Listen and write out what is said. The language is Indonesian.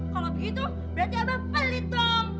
kalau begitu berarti abah pelitong